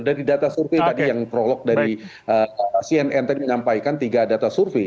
yang tadi yang prolog dari cnn menyampaikan tiga data survei